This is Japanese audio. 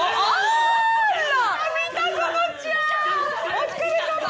お疲れさま。